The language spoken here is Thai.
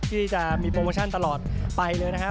ที่จะมีโปรโมชั่นตลอดไปเลยนะฮะ